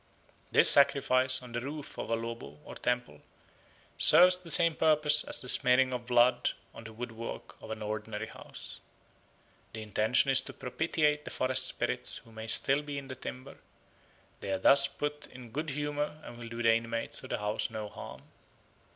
This sacrifice on the roof of a lobo or temple serves the same purpose as the smearing of blood on the woodwork of an ordinary house. The intention is to propitiate the forest spirits who may still be in the timber; they are thus put in good humour and will do the inmates of the house no harm.